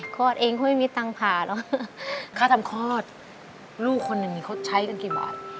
เองก็ไม่มีตังค์ผ่าหรอกค่าทำคลอดลูกคนหนึ่งนี่เขาใช้กันกี่บาท